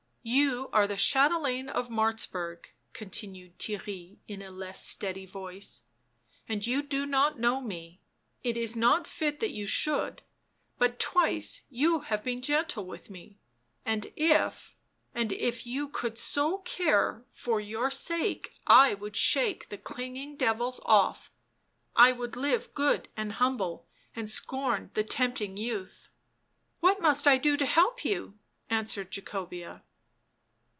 " You are the chatelaine of Martzburg," continued Their ry in a less steady voice, " and you do not know me — it is not fit that you should — but twice you have been gentle with me, and if — and if you could so care, for your sake I would shake the clinging devils off — I would live good and humble, and scorn the tempting youth." " What must I do to help you?" answered Jacobea.